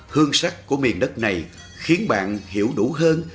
hương sắc của miền đất này khiến bạn hiểu đủ hơn